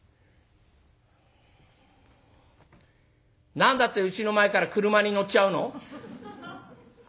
「何だってうちの前から俥に乗っちゃうの」。